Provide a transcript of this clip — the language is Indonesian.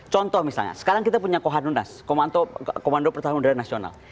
contoh misalnya sekarang kita punya kohanunas komando pertahanan udara nasional